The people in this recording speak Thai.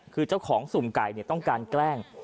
คือเจ้าของสุ่มไก่ต้องการแกล้ง